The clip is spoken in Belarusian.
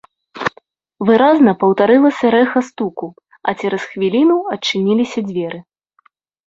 Выразна паўтарылася рэха стуку, а цераз хвіліну адчыніліся дзверы.